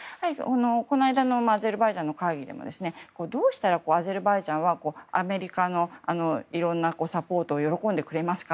この間のアゼルバイジャンの会議でもどうしたらアゼルバイジャンはアメリカのいろんなサポートを喜んでくれますか？